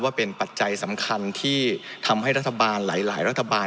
เป็นปัจจัยสำคัญที่ทำให้รัฐบาลหลายรัฐบาล